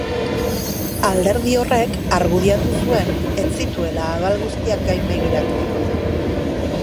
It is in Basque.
Alderdi horrek argudiatu zuen ez zituela abal guztiak gainbegiratu.